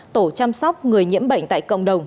tổ chăm sóc người nhiễm bệnh tại cộng đồng